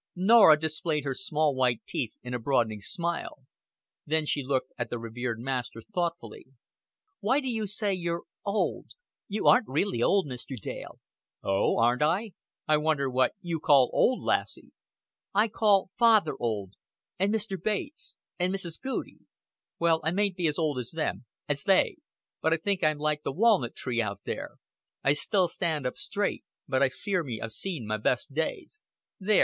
Norah displayed her small white teeth in a broadening smile; then she looked at the revered master thoughtfully. "Why do you say you're old? You aren't really old, Mr. Dale." "Oh, aren't I? I wonder what you call old, lassie." "I call father old, and Mr. Bates and Mrs. Goudie." "Well, I mayn't be as old as them as they; but I think I'm like the walnut tree out there. I still stand up straight, but I fear me I've seen my best days.... There!